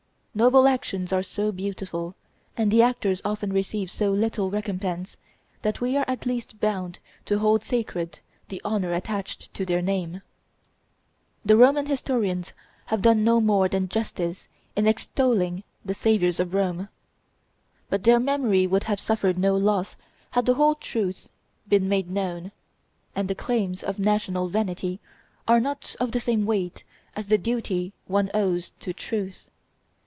Noble actions are so beautiful, and the actors often receive so little recompense, that we are at least bound to hold sacred the honor attached to their name. [Illustration: The Gauls in Rome 39] The Roman historians have done no more than justice in extolling the saviors of Rome. But their memory would have suffered no loss had the whole truth been made known; and the claims of national vanity are not of the same weight as the duty one owes to truth.